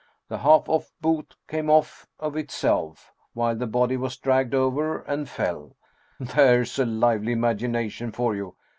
The half off boot came off of itself, while the body was dragged over, and fell "" There's a lively imagination for you